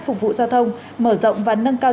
phục vụ giao thông mở rộng và nâng cao